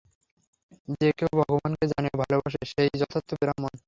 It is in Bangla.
যে-কেহ ভগবানকে জানে ও ভালবাসে, সে-ই যথার্থ ব্রাহ্মণ।